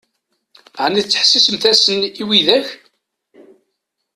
Ɛni tettḥessisemt-asen i widak?